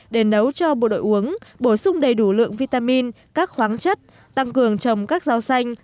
để nấu cho bộ đội uống bổ sung đầy đủ lượng vitamin các khoáng chất tăng cường trồng các rau xanh